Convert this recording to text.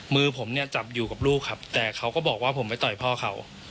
มือผมเนี่ยจับอยู่กับลูกครับแต่เขาก็บอกว่าผมไปต่อยพ่อเขา